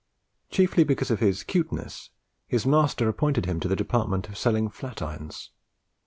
Chiefly because of his "cuteness," his master appointed him to the department of selling flat irons.